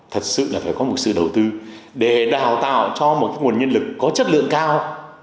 thật sự là phải có một sự đầu tư để đào tạo cho một nguồn nhân lực có chất lượng cao